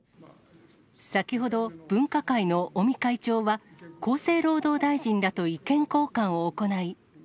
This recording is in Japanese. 先ほど、分科会の尾身会長は、厚生労働大臣らと意見交換を行い。